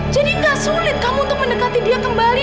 jadi gak sulit kamu untuk mendekati dia kembali